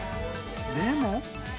でも。